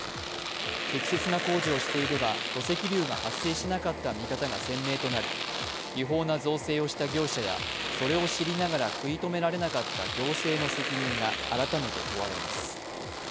適切な工事をしていれば土石流が発生しなかった見方が鮮明となり違法な造成をした業者やそれを知りながら食い止められなかった行政の責任が改めて問われます。